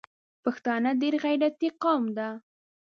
پښتانه ډېر غیرتي قوم ده